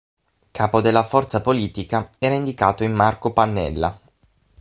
Capo della forza politica era indicato in Marco Pannella.